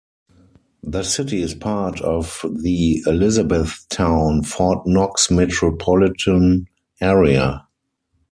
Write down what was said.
The city is part of the Elizabethtown-Fort Knox Metropolitan Area.